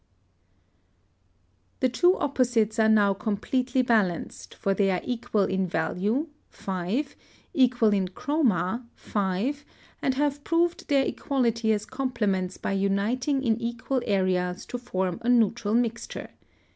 (111) The two opposites are now completely balanced, for they are equal in value (5), equal in chroma (5), and have proved their equality as complements by uniting in equal areas to form a neutral mixture.